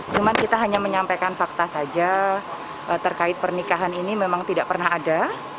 cuma kita hanya menyampaikan fakta saja terkait pernikahan ini memang tidak pernah ada